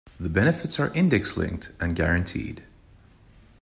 The benefits are index-linked and guaranteed.